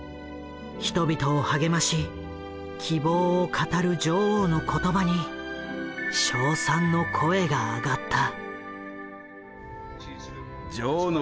人々を励まし希望を語る女王の言葉に称賛の声があがった。